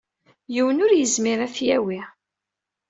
Yiwen ur yezmir ad t-yawi.